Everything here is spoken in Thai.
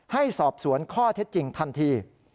ให้สอบสวนข้อเท็จจริงทันที